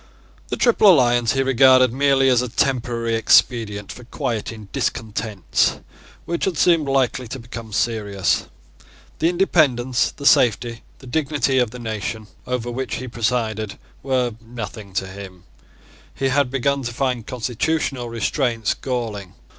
The Triple Alliance he regarded merely as a temporary expedient for quieting discontents which had seemed likely to become serious. The independence, the safety, the dignity of the nation over which he presided were nothing to him. He had begun to find constitutional restraints galling.